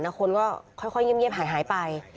แล้วคนก็ค่อยเงียบหายไป